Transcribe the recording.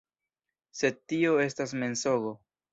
Sed tio estas mensogo.